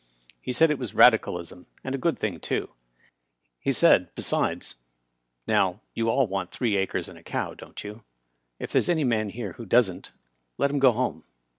He said it was Radicalism, and a good thing, too. He said, besides :" Now, you all want three acres and a cow, don't you ? If there's any man here who doesn't, let him go home."